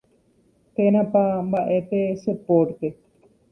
térãpa mba'e pe che pórte